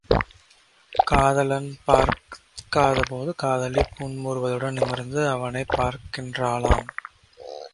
காதலன் பார்க்காதபோது காதலி புன்முறுவலுடன் நிமிர்ந்து அவனைப் பார்க்கின்றாளாம்.